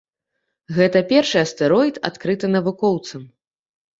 Гэта першы астэроід, адкрыты навукоўцам.